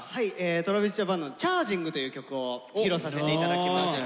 ＴｒａｖｉｓＪａｐａｎの「Ｃｈａｒｇｉｎｇ！」という曲を披露させていただきます。